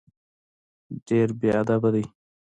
ډېر بېادبه دی.